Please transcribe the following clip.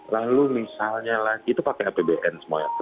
lalu misalnya lagi itu pakai apbn semua ya